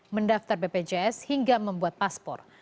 mendaftar bpjs hingga membuat paspor